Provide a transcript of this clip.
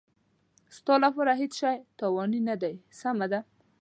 ستا لپاره هېڅ شی تاواني نه دی، سمه ده.